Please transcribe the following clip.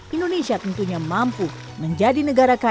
indonesia tentunya mampu menjaga kekuatan dan kekuatan ekonomi